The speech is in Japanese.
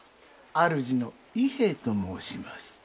あるじの伊兵衛と申します。